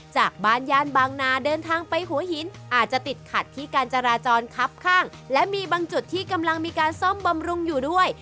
จากบ้านย่านบางนาเดินทางไปหัวหินอาจจะติดขัดที่การจราจรคับข้างและมีบางจุดที่กำลังมีการซ่อมบำรุงอยู่ด้วย